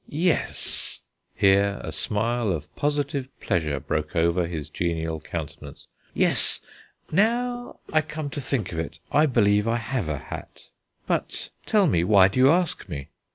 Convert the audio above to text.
Yes" here a smile of positive pleasure broke over his genial countenance "yes, now I come to think of it, I believe I have a hat. But, tell me, why do you ask me?"